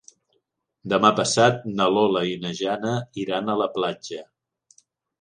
Demà passat na Lola i na Jana iran a la platja.